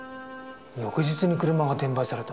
翌日に車が転売された。